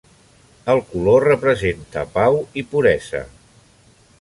El color representa pau i puresa.